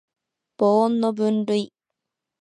母音の分類